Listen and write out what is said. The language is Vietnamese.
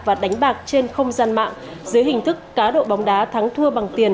và đánh bạc trên không gian mạng dưới hình thức cá độ bóng đá thắng thua bằng tiền